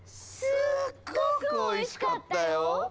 すっごくおいしかったよ！